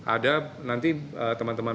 ada nanti teman teman